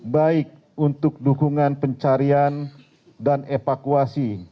baik untuk dukungan pencarian dan evakuasi